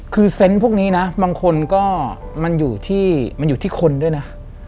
คือเซนต์พวกนี้นะบางคนก็มันอยู่ที่คนด้วยนะ